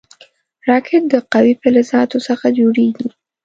راکټ د قوي فلزاتو څخه جوړېږي